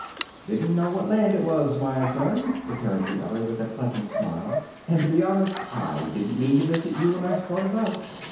"Didn't know what land it was, my son," returned the other, with a pleasant smile; "and, to be honest, I didn't mean to visit you when I started out.